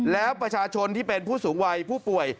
แล้วประชาชนที่เป็นผู้สูงวัยผู้ป่วย